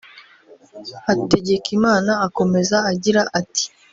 Hategekimana akomeza agira ati